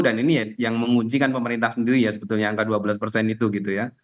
dan ini yang menguncikan pemerintah sendiri ya sebetulnya angka dua belas itu gitu ya